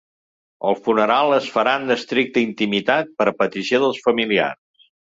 El funeral es farà en l’estricta intimitat per petició dels familiars.